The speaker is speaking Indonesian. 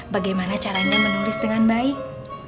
bagaimana caranya menulis dengan baik